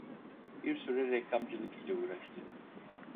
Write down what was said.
Bir süre reklamcılık ile uğraştı.